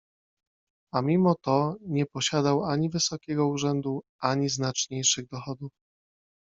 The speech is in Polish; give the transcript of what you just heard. A mimo to nie posiadał ani wysokiego urzędu, ani znaczniejszych dochodów.